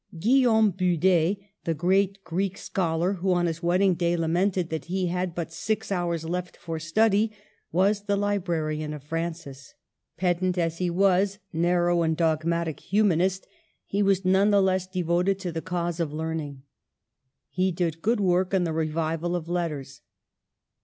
Guillaume Bude, the great Greek scholar, who on his wedding day lamented that he had but six hours left for study, was the librarian of Francis. Pedant as he was, narrow and dog matic humanist, he was none the less devoted to the cause of learning. He did good work in the revival of Letters.